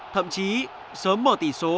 thậm chí sớm mở tỷ số